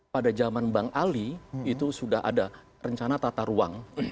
pada zaman bang ali itu sudah ada rencana tata ruang